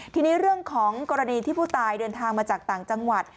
ทีนี้เรื่องของกรณีที่ผู้ตายเดินทางมาจากต่างจังหวัด